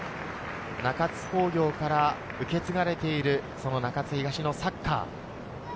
中津工業から受け継がれているその中津東のサッカー。